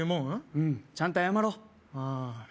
うんちゃんと謝ろうああ